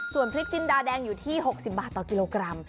ส่วนพริกจินดาแดงอยู่ที่๖๐บาทต่อกิโลกรัม